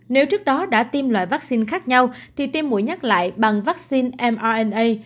nếu trước đó đã tiêm loại vắc xin khác nhau thì tiêm mũi nhắc lại bằng vắc xin mrna